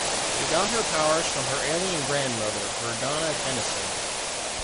She got her powers from her alien grandmother, Verdona Tennyson.